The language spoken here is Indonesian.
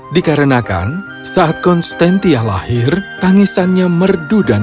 dikarenakan saat konstantia lahir tangisannya merdu dan